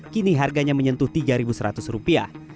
kini harganya menyentuh tiga seratus rupiah